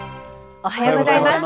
おはようございます。